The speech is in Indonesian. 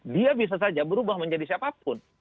dia bisa saja berubah menjadi siapapun